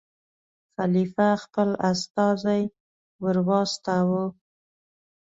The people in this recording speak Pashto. خلیفه خپل استازی ور واستاوه.